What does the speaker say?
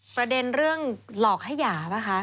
ประเด็นเรื่องหลอกให้หย่าป่ะคะ